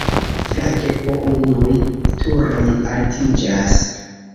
Flanke po unuj turoj altiĝas.